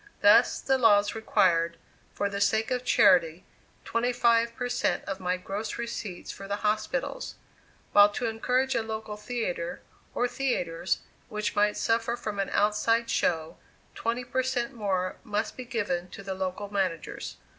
Thus the laws required, for the sake of charity, twenty five per cent of my gross receipts for the hospitals; while to encourage a local theatre, or theatres, which might suffer from an outside show, twenty per cent more must be given to the local managers.